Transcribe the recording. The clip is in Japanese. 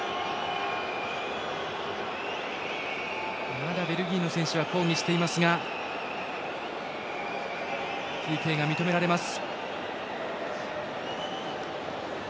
まだベルギーの選手は抗議していますがＰＫが認められます。